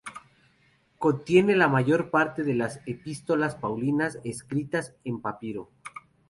Contiene la mayor parte de las epístolas paulinas, escritas en papiro.